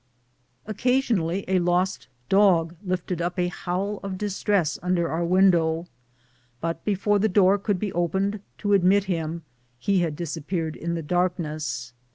Occasionally a lost dog lifted up a howl of distress under our window, but before the door could be opened to admit him he had disappeared in the darkness.